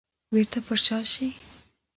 بيرته پر شا شي.